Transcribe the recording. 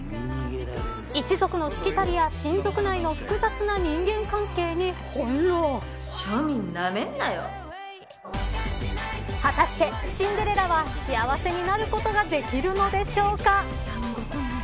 一族のしきたりや親族内の複雑な果たしてシンデレラは幸せになることはできるのでしょうか。